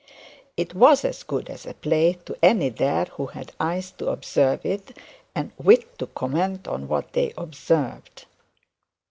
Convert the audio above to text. It was as good as a play to any there who had eyes to observe it, and wit to comment on what they observed.